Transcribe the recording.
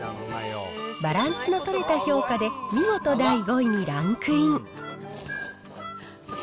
バランスの取れた評価で、見事第５位にランクイン。